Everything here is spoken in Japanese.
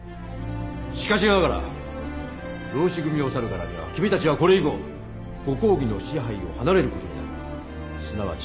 しかしながら浪士組を去るからには君たちはこれ以後ご公儀の支配を離れる事になる。